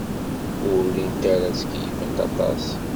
Ur llint ara ttkeyyifent aṭas.